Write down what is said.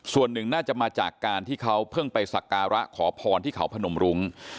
ส่วนหนึ่งน่าจะมาจากการที่เขาเพิ่งไปสักการะขอพรที่เขาพนมรุ้ง